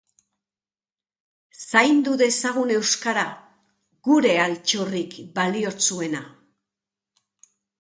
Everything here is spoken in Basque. Zaindu dezagun euskara, gure altxorrik baliotsuena